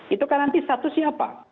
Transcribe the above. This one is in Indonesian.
itu kan nanti statusnya apa